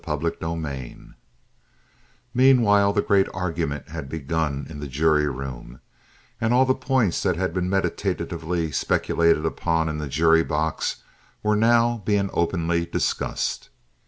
Chapter XLIV Meanwhile the great argument had been begun in the jury room, and all the points that had been meditatively speculated upon in the jury box were now being openly discussed.